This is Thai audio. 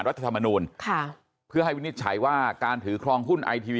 รัฐธรรมนูลค่ะเพื่อให้วินิจฉัยว่าการถือครองหุ้นไอทีวี